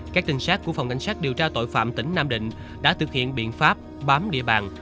các trinh sát của phòng cảnh sát điều tra tội phạm tỉnh nam định đã thực hiện biện pháp bám địa bàn